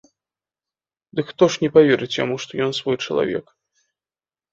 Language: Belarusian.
Дык хто ж не паверыць яму, што ён свой чалавек?